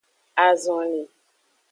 Azonli.